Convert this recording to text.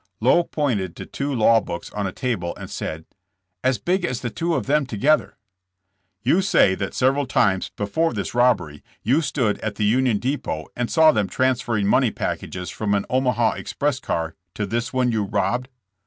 Lowe pointed to two law books on a table and said "As big as the two of them together." "You say that several times before this robbery you stood at the Union depot and saw them trans ferring money packages from an Omaha express car to this one you robbed?"